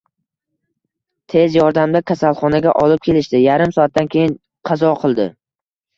Tez yordamda kasalxonaga olib kelishdi, yarim soatdan keyin qazo kildi